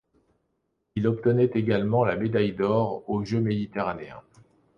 Il obtenait également la Médaille d’Or aux Jeux Méditerranéens.